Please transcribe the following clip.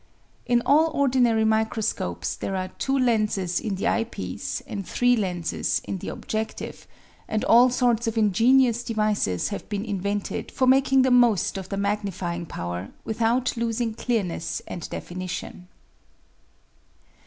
In all ordinary microscopes there are two lenses in the eye piece and three lenses in the objective, and all sorts of ingenious devices have been in vented for making the most of the magnifying power without losing clearness and definition.